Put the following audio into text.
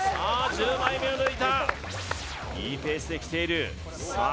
１０枚目を抜いたいいペースできているさあ